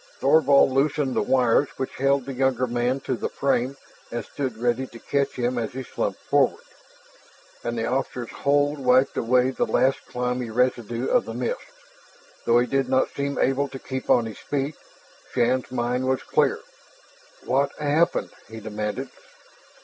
Thorvald loosened the wires which held the younger man to the frame and stood ready to catch him as he slumped forward. And the officer's hold wiped away the last clammy residue of the mist. Though he did not seem able to keep on his feet, Shann's mind was clear. "What happened?" he demanded.